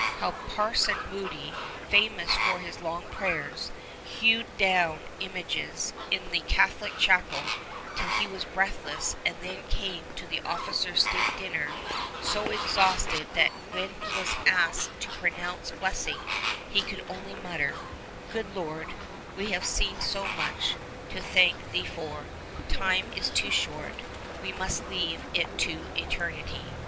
How Parson Moody, famous for his long prayers, hewed down images in the Catholic chapel till he was breathless and then came to the officers' state dinner so exhausted that when asked to pronounce blessing he could only mutter, "Good Lord, we have so much to thank Thee for, time is too short; we must leave it to eternity.